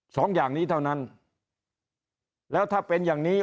สองอย่างนี้เท่านั้นแล้วถ้าเป็นอย่างนี้